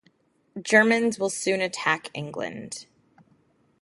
Germans will soon attack England.